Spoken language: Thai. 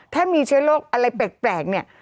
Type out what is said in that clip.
ถ้ามีเชื้อโรคอะไรแปลกเนี่ย